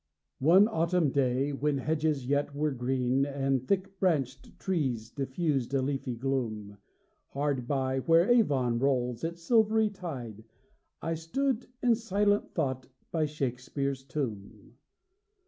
One autumn day, when hedges yet were green, And thick branched trees diffused a leafy gloom, Hard by where Avon rolls its silvery tide, I stood in silent thought by Shakspeare's tomb.